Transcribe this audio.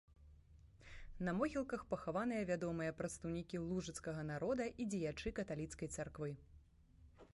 На могілках пахаваныя вядомыя прадстаўнікі лужыцкага народа і дзеячы каталіцкай царквы.